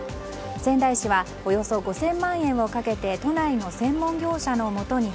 仙台市はおよそ５０００万円をかけて都内の専門業者のもとに